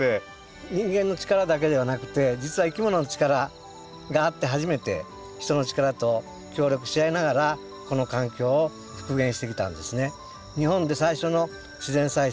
人間の力だけではなくて実はいきものの力があって初めて人の力と協力し合いながらこの環境を復元してきたんですね。